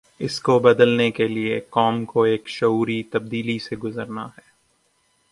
اس کو بدلنے کے لیے قوم کو ایک شعوری تبدیلی سے گزرنا ہے۔